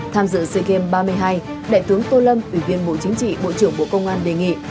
tham dự sea games ba mươi hai đại tướng tô lâm ủy viên bộ chính trị bộ trưởng bộ công an đề nghị